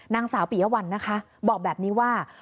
นางสาวปียวัลนะคะบอกแบบนี้ว่า